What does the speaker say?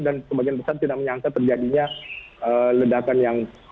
dan sebagian besar tidak menyangka terjadinya ledakan yang berlaku